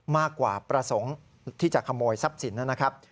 มากกว่าประสงค์ที่จะขโมยทรัพย์สินนะครับ